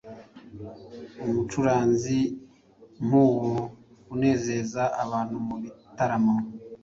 Umucuranzi nk’uwo unezeza abantu mu bitaramo,